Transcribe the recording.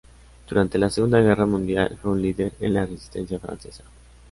Durante la Segunda Guerra Mundial, fue un líder en la resistencia francesa.